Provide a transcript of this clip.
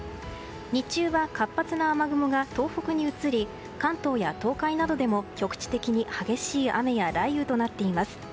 日中は活発な雨雲が東北に移り関東や東海などでも局地的に激しい雨や雷雨となっています。